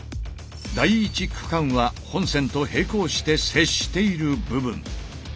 第１区間は本線と並行して接している部分。